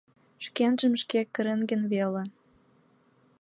— Шкенжым шке кырен гын веле.